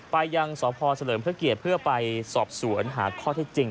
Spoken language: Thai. ไปยังสพเฉลิมพระเกียรติเพื่อไปสอบสวนหาข้อที่จริง